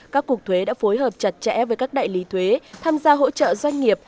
các cuộc thuế đã phối hợp chặt chẽ với các đại lý thuế tham gia hỗ trợ doanh nghiệp